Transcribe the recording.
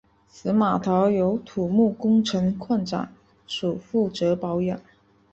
此码头由土木工程拓展署负责保养。